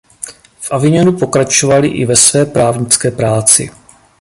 V Avignonu pokračoval i ve své právnické práci.